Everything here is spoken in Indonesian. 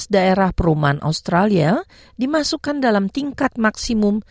dua belas daerah perumahan australia dimasukkan dalam tingkat maksimum seratus